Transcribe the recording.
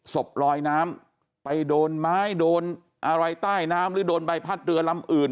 ศพลอยน้ำไปโดนไม้โดนอะไรใต้น้ำหรือโดนใบพัดเรือลำอื่น